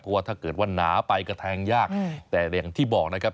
เพราะว่าถ้าเกิดว่าหนาไปก็แทงยากแต่อย่างที่บอกนะครับ